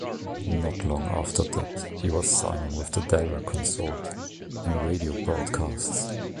Not long after that he was singing with the Deller Consort in radio broadcasts.